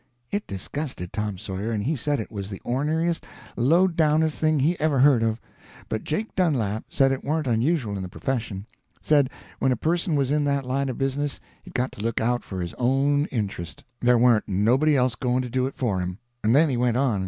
It disgusted Tom Sawyer, and he said it was the orneriest, low downest thing he ever heard of. But Jake Dunlap said it warn't unusual in the profession. Said when a person was in that line of business he'd got to look out for his own intrust, there warn't nobody else going to do it for him. And then he went on.